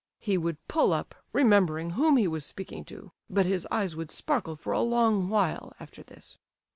He would pull up, remembering whom he was speaking to, but his eyes would sparkle for a long while after this.